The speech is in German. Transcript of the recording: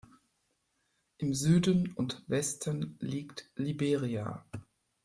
Im Süden und Westen liegt Liberia.